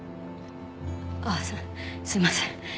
あすいません。